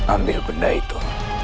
ambil gendah itu